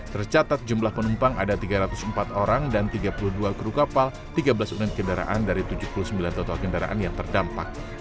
tercatat jumlah penumpang ada tiga ratus empat orang dan tiga puluh dua kru kapal tiga belas unit kendaraan dari tujuh puluh sembilan total kendaraan yang terdampak